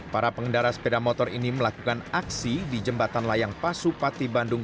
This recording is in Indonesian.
para pengendara sepeda motor ini melakukan aksi di jembatan layang pasupati bandung